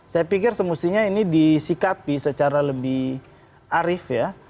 saya pikir semestinya ini disikapi secara lebih arif ya